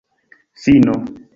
fino